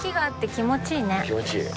気持ちいい。